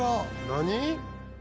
何？